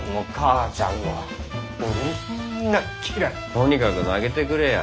とにかく投げてくれや。